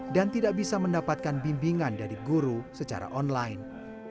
dan tidak bisa mendapatkan bimbingan dari guru secara online